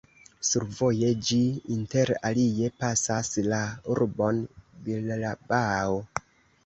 Survoje ĝi inter alie pasas la urbon Bilbao.